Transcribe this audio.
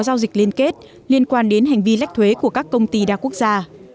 năng lượng liên quan đến hành vi lách thuế của các công ty đa quốc gia